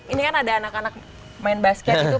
ini kan ada anak anak main basket itu